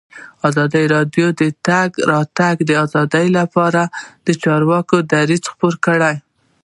ازادي راډیو د د تګ راتګ ازادي لپاره د چارواکو دریځ خپور کړی.